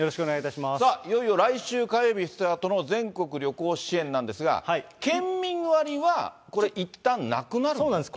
いよいよ来週火曜日スタートの全国旅行支援なんですが、県民割はこれ、そうなんです。